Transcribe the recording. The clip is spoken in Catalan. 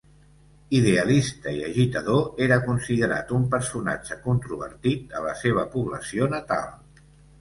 Idealista i agitador, era considerat un personatge controvertit a la seva població natal.